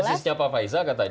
kalau tesisnya pak faiza